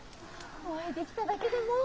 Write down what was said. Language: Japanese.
お会いできただけでもう。